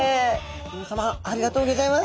皆さまありがとうギョざいます。